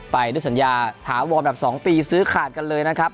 ไปด้วยสัญญาถาวรแบบ๒ปีซื้อขาดกันเลยนะครับ